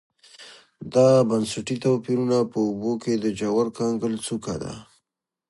دا بنسټي توپیرونه په اوبو کې د ژور کنګل څوکه ده